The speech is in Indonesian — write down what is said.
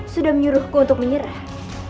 sudah menyuruhku untuk menyerah